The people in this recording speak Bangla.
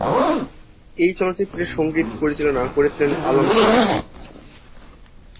এই চলচ্চিত্রের সঙ্গীত পরিচালনা করেছিলেন আলম খান।